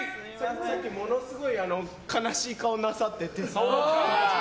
さっき、ものすごい悲しい顔をなさってて。